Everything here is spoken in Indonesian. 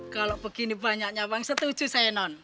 kalau begini banyaknya uang setuju saya non